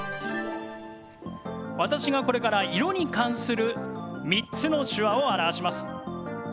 私がこれから色に関する３つの手話を表します。